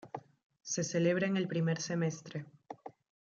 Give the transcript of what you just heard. Se celebra en el primer semestre.